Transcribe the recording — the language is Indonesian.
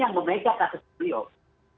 yang memegang kasus beliau